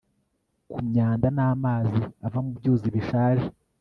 ku myanda n'amazi ava mu byuzi bishaje